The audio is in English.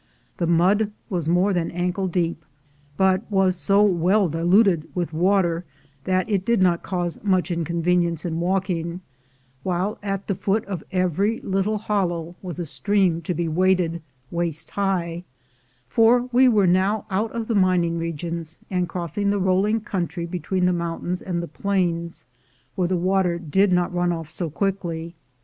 The mud was more than ankle deep, but was so well diluted with water that it did not cause much 262 DOWN WITH THE FLOOD 263 inconvenience in walking, while at the foot of every little hollow was a stream to be waded waist high; for we were now out of the mining regions, and cross ing the rolling country between the mountains and the plains, where the water did not run oflE so quickly.